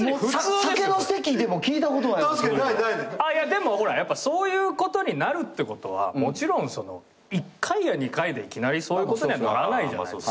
でもほらやっぱそういうことになるってことはもちろん１回や２回でいきなりそういうことにはならないじゃないですか。